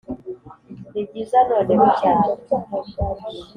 nibyiza noneho cyane